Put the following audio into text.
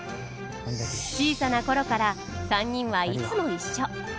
小さな頃から３人はいつも一緒。